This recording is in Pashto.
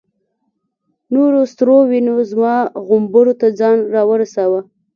نورو سرو وینو زما غومبورو ته ځان را ورساوه.